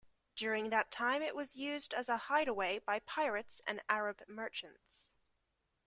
During that time it was used as a hideaway by pirates and Arab merchants.